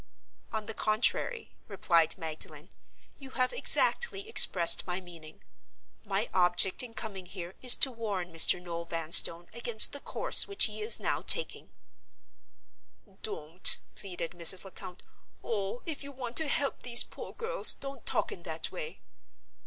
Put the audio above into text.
"On the contrary," replied Magdalen, "you have exactly expressed my meaning. My object in coming here is to warn Mr. Noel Vanstone against the course which he is now taking." "Don't!" pleaded Mrs. Lecount. "Oh, if you want to help these poor girls, don't talk in that way!